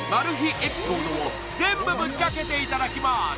エピソードを全部ぶっちゃけていただきます